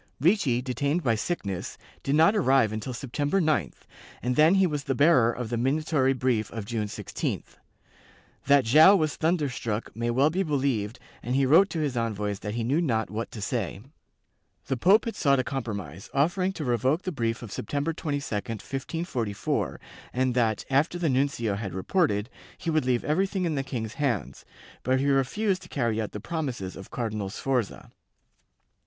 Ricci, detained by sickness, did not arrive until September 9th, and then he was the bearer of the minatory brief of June 16th. That Joao was thunderstruck may well be believed and he wrote to his envoys that he knew not what to say.^ The pope sought a compromise, offering to revoke the brief of September 22, 1544, and that, after the nuncio had reported, he would leave everything in the king's hands, but he refused to carry out the promises of Cardinal Sforza.